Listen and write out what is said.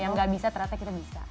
yang gak bisa ternyata kita bisa